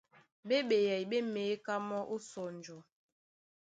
Ɓé ɓeyɛy ɓé měká mɔ́ ó sɔnjɔ.